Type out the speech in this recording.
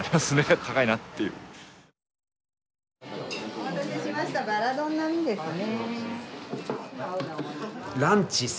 お待たせしましたバラ丼並ですね。